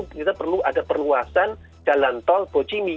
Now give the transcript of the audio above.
kita perlu ada perluasan jalan tol bocimi